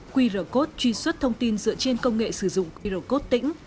qr code truy xuất thông tin dựa trên công nghệ sử dụng qr code tĩnh